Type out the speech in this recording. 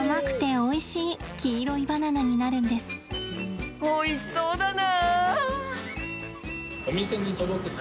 おいしそうだな。